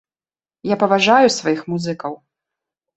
Я паважаю сваіх музыкаў.